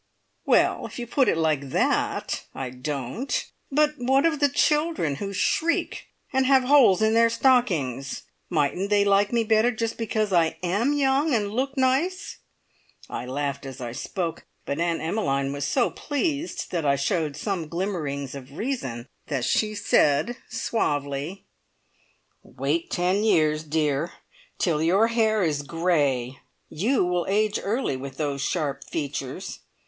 "Well, if you put it like that, I don't! But what of the children who shriek, and have holes in their stockings? Mightn't they like me better just because I am young and look nice?" I laughed as I spoke, but Aunt Emmeline was so pleased that I showed some glimmerings of reason, that she said suavely: "Wait ten years, dear! Till your hair is grey! You will age early with those sharp features.